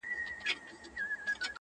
یو څه له پاسه یو څه له ځانه-